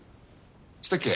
したっけ